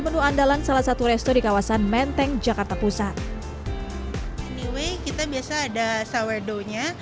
menu andalan salah satu resto di kawasan menteng jakarta pusat anyway kita biasa ada sour dow nya